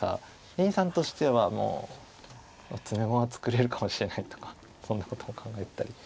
林さんとしてはもう詰碁が作れるかもしれないとかそんなことを考えてたり。